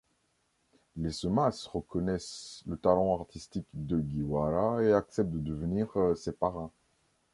Les Sōmas reconnaissent le talent artistique d'Ogiwara et acceptent de devenir ses parrains.